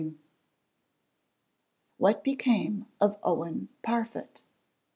_] _WHAT BECAME OF OWEN PARFITT?